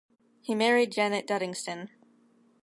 He married Janet Duddingston.